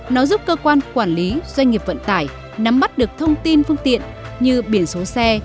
nó giúp cơ quan quản lý doanh nghiệp vận tải nắm mắt được thông tin phương tiện như biển số xe